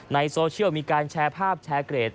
ในโซเชียลมีการแชร์ภาพแชร์เกรด